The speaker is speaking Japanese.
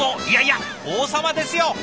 いやいや王様ですよ。